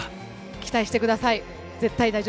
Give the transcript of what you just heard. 期待してください。